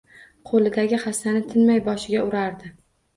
Qo‘lidagi hassani tinmay boshiga urardi.